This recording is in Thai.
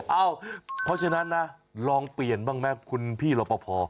เอ้าเพราะฉะนั้นน่ะลองเปลี่ยนบ้างแม่คุณพี่หลบพอพอ